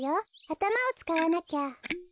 あたまをつかわなきゃ。